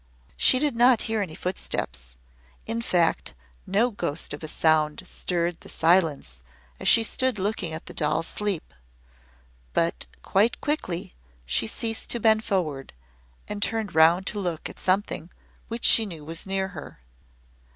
She did not hear any footsteps in fact, no ghost of a sound stirred the silence as she stood looking at the doll's sleep but quite quickly she ceased to bend forward, and turned round to look at something which she knew was near her.